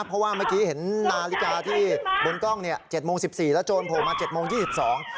เพราะว่าเมื่อกี้เห็นนาฬิกาที่บนกล้องเนี่ย๗โมง๑๔แล้วโจรโผล่มา๗โมง๒๒